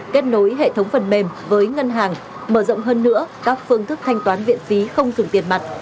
kết nối hệ thống phần mềm với ngân hàng mở rộng hơn nữa các phương thức thanh toán viện phí không dùng tiền mặt